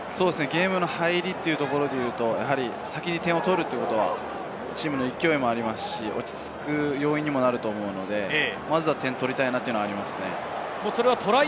ゲームの入りで言うと、先に点を取るということはチームの勢いもありますし、落ち着く要因にもなると思うので、まず点を取りたいというのはありますね。